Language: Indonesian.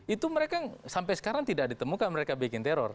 itu mereka yang sampai sekarang tidak ditemukan mereka bikin teror